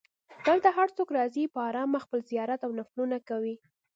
دلته هر څوک راځي په ارامه خپل زیارت او نفلونه کوي.